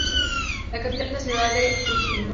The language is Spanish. La capital es la ciudad de Utsunomiya.